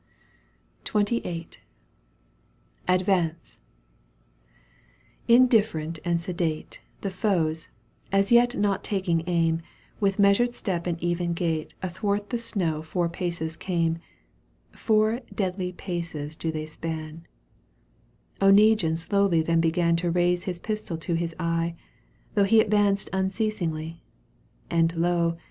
XXVIII. "Advancer Indifferent and sedate, / The foes, as yet not taking aim, / ^y With measured step and even gait / Athwart the snow four paces came4 Four deadly paces do they span ;/ Oneguine slowly then began / To raise his pistol to his eye, / Though he advanced unceasingly. And lo